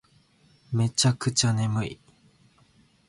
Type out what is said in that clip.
めちゃくちゃ眠い